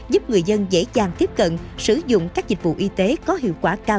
giúp người dân dễ dàng tiếp cận sử dụng các dịch vụ y tế